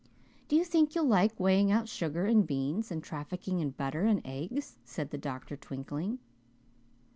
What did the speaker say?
"Do you think you'll like weighing out sugar and beans, and trafficking in butter and eggs?" said the doctor, twinkling.